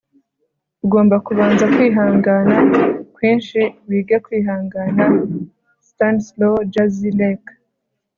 ugomba kubanza kwihangana kwinshi kugirango wige kwihangana. - stanislaw jerzy lec